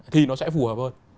thì nó sẽ phù hợp hơn